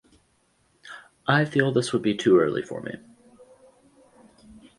I feel this would be too early for me.